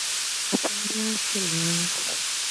The song originated as a Jamaican folk song.